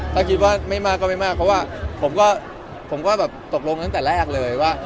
ถ้าคิดว่าไม่มากก็ไม่มากเพราะว่าผมก็แบบตกลงตั้งแต่แรกเลยว่า